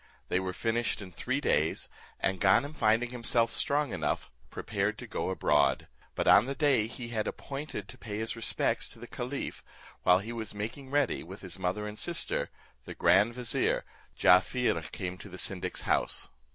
They were finished in three days, and Ganem finding himself strong enough, prepared to go abroad; but on the day he had appointed to pay his respects to the caliph, while he was making ready, with his mother and sister, the grand vizier, Jaaffier came to the syndic's house.